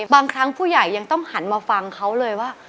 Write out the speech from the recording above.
บางครั้งผู้ใหญ่ยังต้องหันมาฟังเขาเลยว่า